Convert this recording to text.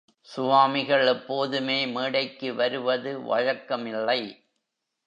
சுவாமிகள் எப்போதுமே மேடைக்கு வருவது வழக்கமில்லை.